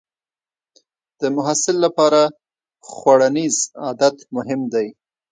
د محصل لپاره خوړنیز عادت مهم دی.